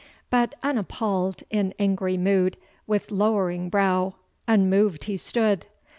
But unappall'd, in angry mood, With lowering brow, unmoved he stood.